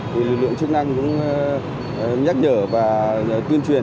thì lực lượng chức năng cũng nhắc nhở và tuyên truyền